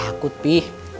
gak takut pi